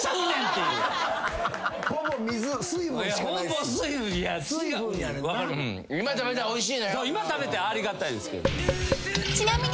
そう今食べたらありがたいですけど。